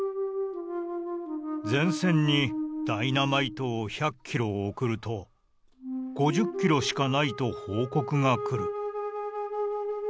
「前線にダイナマイトを百キロおくると５０キロしかないと報告が来る。